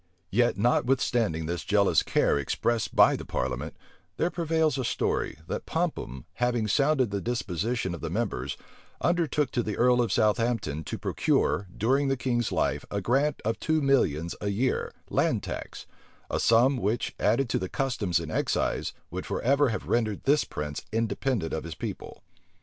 Yet, notwithstanding this jealous care expressed by the parliament, there prevails a story, that Popham, having sounded the disposition of the members, undertook to the earl of Southampton to procure, during the king's life, a grant of two millions a year, land tax; a sum which, added to the customs and excise, would forever have rendered this prince independent of his people.